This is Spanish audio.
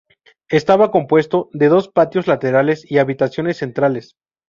Estaba compuesto de dos patios laterales y habitaciones centrales.